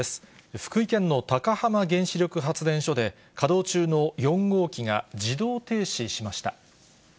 福井県の高浜原子力発電所で、稼働中の４号機が自動停止しました。